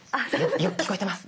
よく聞こえてます